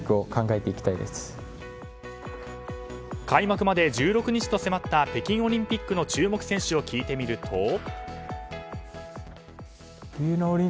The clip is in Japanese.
開幕まで１６日と迫った北京オリンピックの注目選手を聞いてみると。